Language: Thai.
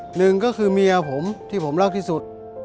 หนึ่งก็คือเมียผมที่ผมเล่าที่สุด